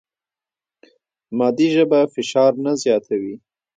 مادي ژبه فشار نه زیاتوي.